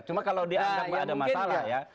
cuma kalau dianggap nggak ada masalah ya